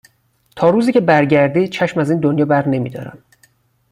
تا روزی که بر گردی چشم از این دریا برنمی دارم.